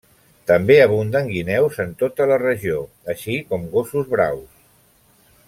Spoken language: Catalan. També abunden guineus en tota la regió així com gossos braus.